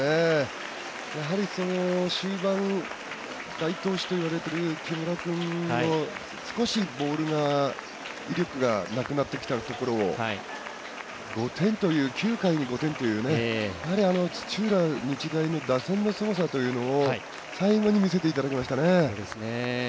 やはり、終盤木村君の少しボールの威力がなくなってきたところを９回に５点というね土浦日大の打点のすごさというのを最後に見せていただきました。